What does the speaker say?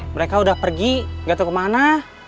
mereka udah pergi gak tau kemana